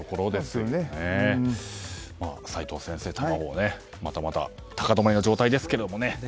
齋藤先生、卵はまだまだ高止まりの状態ですが。